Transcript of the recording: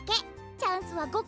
チャンスは５かい！